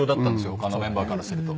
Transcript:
他のメンバーからすると。